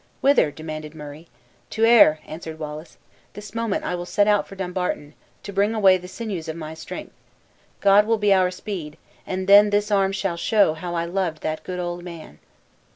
"Whither?" demanded Murray. "To Ayr," answered Wallace; "this moment I will set out for Dumbarton, to bring away the sinews of my strength. God will be our speed! and then this arm shall show how I loved that good old man."